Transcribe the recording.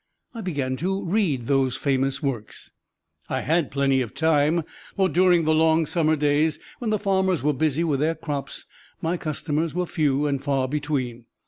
I began to read those famous works. I had plenty of time; for during the long summer days, when the farmers were busy with their crops, my customers were few and far between.